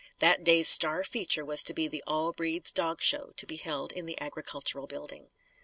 That day's star feature was to be the "all breeds" dog show, to be held in the Agricultural Building.